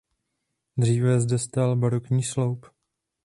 Dříve zde stál barokní sloup.